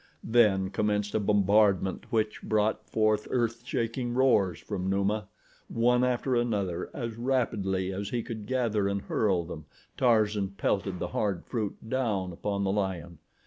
Then commenced a bombardment which brought forth earthshaking roars from Numa. One after another as rapidly as he could gather and hurl them, Tarzan pelted the hard fruit down upon the lion.